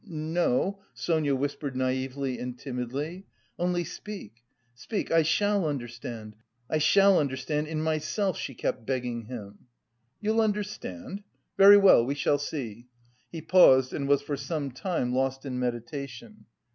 "N no," Sonia whispered naïvely and timidly. "Only speak, speak, I shall understand, I shall understand in myself!" she kept begging him. "You'll understand? Very well, we shall see!" He paused and was for some time lost in meditation.